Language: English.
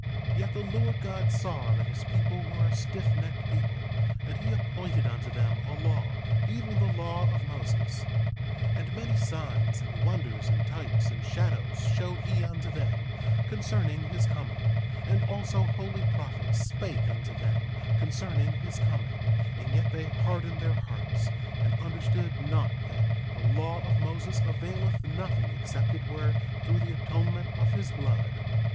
3:14 Yet the Lord God saw that his people were a stiffnecked people, and he appointed unto them a law, even the law of Moses. 3:15 And many signs, and wonders, and types, and shadows showed he unto them, concerning his coming; and also holy prophets spake unto them concerning his coming; and yet they hardened their hearts, and understood not that the law of Moses availeth nothing except it were through the atonement of his blood.